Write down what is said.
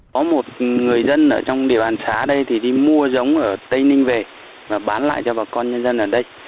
có một người dân ở trong địa bàn xá đây thì đi mua giống ở tây ninh về và bán lại cho bà con nhân dân ở đây